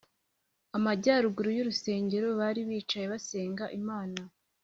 amajyaruguru y urusengero Bari bicaye basenga imana